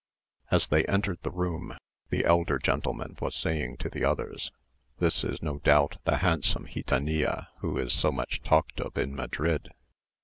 As they entered the room, the elder gentleman was saying to the others, "This is no doubt the handsome gitanilla who is so much talked of in Madrid."